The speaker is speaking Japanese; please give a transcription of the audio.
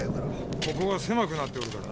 ここは狭くなっておるからな。